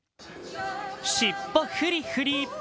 尻尾フリフリ。